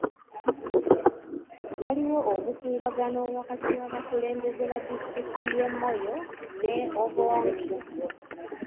Waliwo obukuubagano wakati w'abakulembeze ba disitulikiti y'e Moyo me Obongi.